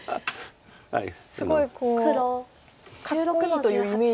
すごいかっこいいというイメージが。